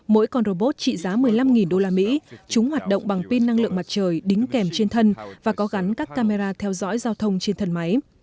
mỗi con robot trị giá một mươi năm usd chúng hoạt động bằng pin năng lượng mặt trời đính kèm trên thân và có gắn các camera theo dõi giao thông trên thân máy